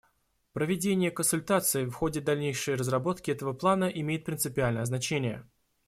Проведение консультаций в ходе дальнейшей разработки этого плана имеет принципиальное значение.